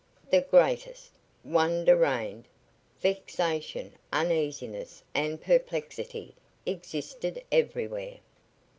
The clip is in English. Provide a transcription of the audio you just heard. The greatest wonder reigned; vexation, uneasiness and perplexity existed everywhere.